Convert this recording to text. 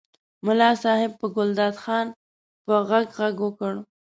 ملا صاحب په ګلداد خان په غږ غږ وکړ.